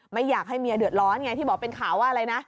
ไม่อยากให้เมียเดือดร้อนไงที่บอกเป็นข่าวว่าอะไรนะ